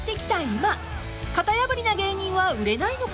今型破りな芸人は売れないのか？］